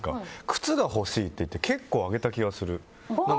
靴が欲しいって言って結構あげた気がする。